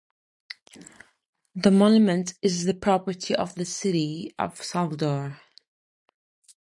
The monument is the property of the City of Salvador.